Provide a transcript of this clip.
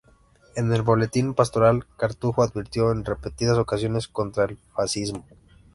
En el "Boletín Pastoral Cartujo" advirtió en repetidas ocasiones contra el fascismo.